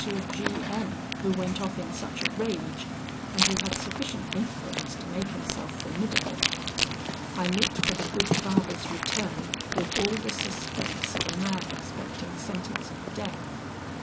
G M , who went off in such a rage, and who had sufficient influence to make himself formidable. "I looked for the good Father's return with all the suspense of a man expecting sentence of death.